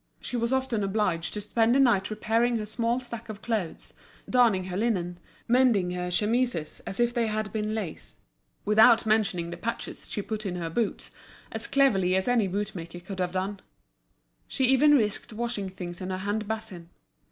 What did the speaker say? She was often obliged to spend the night repairing her small stack of clothes, darning her linen, mending her chemises as if they had been lace; without mentioning the patches she put on her boots, as cleverly as any bootmaker could have done. She even risked washing things in her hand basin.